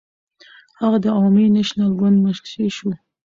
هغه د عوامي نېشنل ګوند منشي شو.